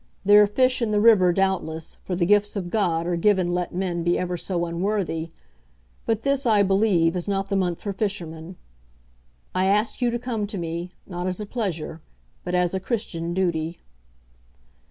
There are fish in the river doubtless, for the gifts of God are given let men be ever so unworthy; but this, I believe, is not the month for fishermen. I ask you to come to me, not as a pleasure, but as a Christian duty.